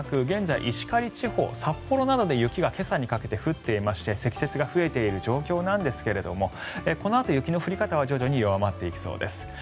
現在、石狩地方、札幌などでも雪が今朝にかけて降っていまして積雪が増えている状況ですがこのあと、雪の降り方は徐々に弱まっていきそうです。